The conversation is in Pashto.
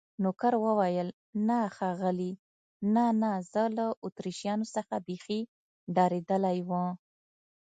نوکر وویل: نه ښاغلي، نه، نه، له اتریشیانو څخه بیخي ډارېدلی و.